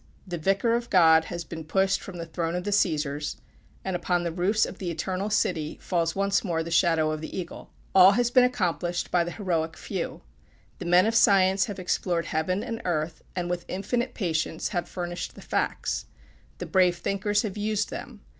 The Vicar of God has been pushed from the throne of the Cæsars, and upon the roofs of the Eternal City falls once more the shadow of the Eagle. All has been accomplished by the heroic few. The men of science have explored heaven and earth, and with infinite patience have furnished the facts. The brave thinkers have used them.